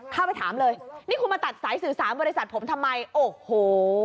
เข้าไปถามเลยนี่คุณมาตัดสายสื่อสารบริษัทผมทำไมโอ้โห